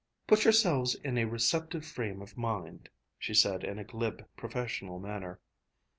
"Put yourselves in a receptive frame of mind," she said in a glib, professional manner.